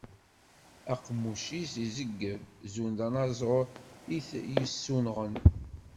Aqemmuc-is izeyyeb, zun d anaẓur i t-yessunɣen.